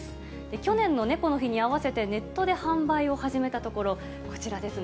去年の猫の日に合わせてネットで販売を始めたところ、こちらですね。